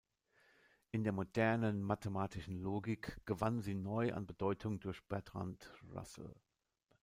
In der modernen mathematischen Logik gewann sie neu an Bedeutung durch Bertrand Russell.